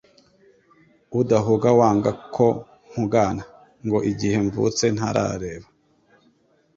Udahuga wanga ko mpugana. Ngo igihe mvutse ntarareba